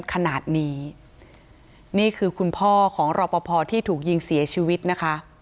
ขนาดนี้นี่คือคุณพ่อของรอปภที่ถูกยิงเสียชีวิตนะคะ